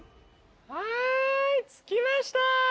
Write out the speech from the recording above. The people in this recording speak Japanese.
はい着きました。